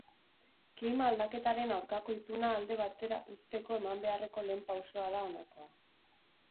Klima aldaketaren aurkako ituna alde batera uzteko eman beharreko lehen pausoa da honakoa.